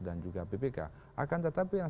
dan juga ppk tetapi yang